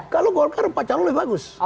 kalau golkar empat calon lebih bagus